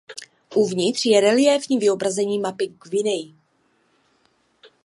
Uvnitř je reliéfní vyobrazení mapy Guiney.